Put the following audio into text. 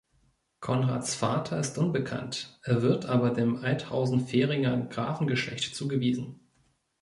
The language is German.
Konrads Vater ist unbekannt; er wird aber dem Althausen-Veringer Grafengeschlecht zugewiesen.